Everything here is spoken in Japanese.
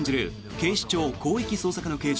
警視庁広域捜査課の刑事